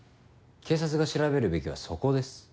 警察が調べるべきはそこです。